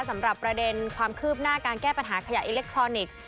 สำหรับประเด็นความคืบหน้าการแก้ปัญหาขยะอิเล็กทรอนิกส์